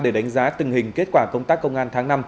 để đánh giá tình hình kết quả công tác công an tháng năm